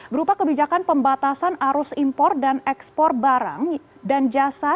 berupa kebijakan pembatasan arus impor dan ekspor barang dan jasa